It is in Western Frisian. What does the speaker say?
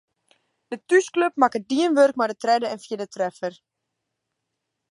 De thúsklup makke dien wurk mei de tredde en fjirde treffer.